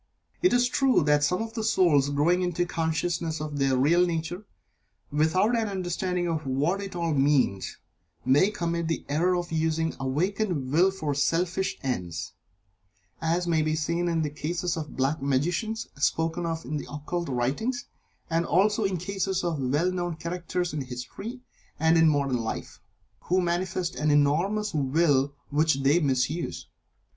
It is true that some souls growing into a consciousness of their real nature, without an understanding of what it all means, may commit the error of using the awakened Will for selfish ends, as may be seen in the cases of the Black Magicians spoken of in the occult writings, and also in the cases of well known characters in history and in modern life, who manifest an enormous Will which they misuse.